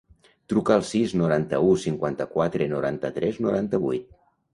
Truca al sis, noranta-u, cinquanta-quatre, noranta-tres, noranta-vuit.